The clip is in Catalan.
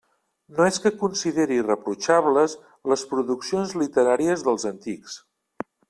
No és que consideri irreprotxables les produccions literàries dels antics.